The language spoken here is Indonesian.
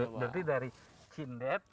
berarti dari cindet